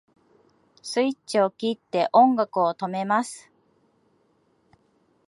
スイッチを切って音楽を止めます